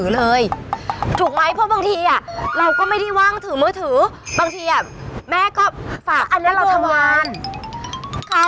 เลยถูกไหมเพราะบางทีอ่ะเราก็ไม่ได้ว่างถือมือถือบางทีอ่ะแม่ก็ฝากอันนี้เราทำงานค่ะ